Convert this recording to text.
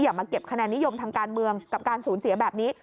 มาเก็บคะแนนนิยมทางการเมืองกับการสูญเสียแบบนี้